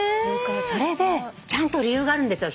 それで。ちゃんと理由があるんですよ